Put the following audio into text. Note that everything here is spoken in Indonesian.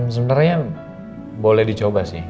sebenarnya boleh dicoba sih